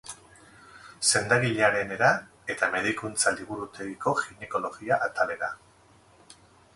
Sendagilearenera eta medikuntza-liburutegiko ginekologia atalera.